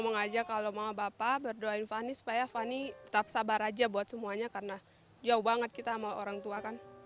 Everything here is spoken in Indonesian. mengajak kalau mama bapak berdoain fani supaya fani tetap sabar aja buat semuanya karena jauh banget kita sama orang tua kan